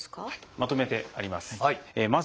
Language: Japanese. まとめてあります。